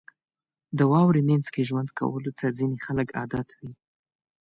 • د واورې مینځ کې ژوند کولو ته ځینې خلک عادت وي.